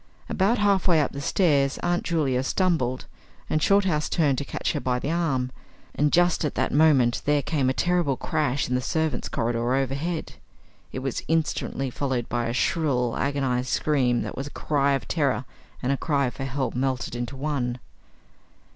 About half way up the stairs Aunt Julia stumbled and Shorthouse turned to catch her by the arm, and just at that moment there came a terrific crash in the servants' corridor overhead. It was instantly followed by a shrill, agonised scream that was a cry of terror and a cry for help melted into one.